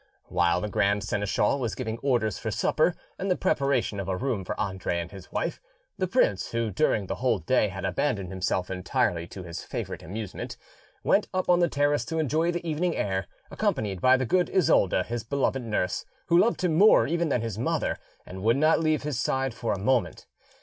While the grand seneschal was giving orders for supper and the preparation of a room for Andre and his wife, the prince, who during the whole day had abandoned himself entirely to his favourite amusement, went up on the terrace to enjoy the evening air, accompanied by the good Isolda, his beloved nurse, who loved him more even than his mother, and would not leave his side for a moment.